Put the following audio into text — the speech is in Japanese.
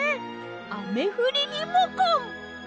あめふりリモコン！